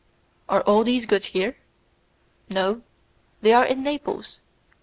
"Are all these goods here?" "No, they are in Naples.